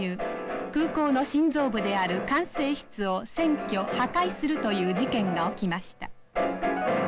空港の心臓部である管制室を占拠・破壊するという事件が起きました。